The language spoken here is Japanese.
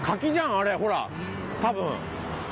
あれほら多分。